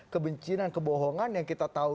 kebencian kebohongan yang kita tahu